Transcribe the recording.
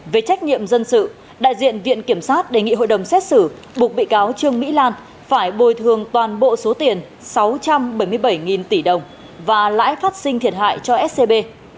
về trách nhiệm dân sự đại diện viện kiểm sát đề nghị hội đồng xét xử buộc bị cáo trương mỹ lan phải bồi thường toàn bộ số tiền sáu trăm bảy mươi bảy tỷ đồng và lãi phát sinh thiệt hại cho scb